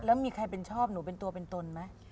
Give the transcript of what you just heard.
แล้วมีใครเป็นชอบหนูเป็นตัวเป็นตนไหม